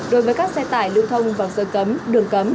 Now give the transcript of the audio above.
đối với các xe tải lưu thông vào sơ cấm đường cấm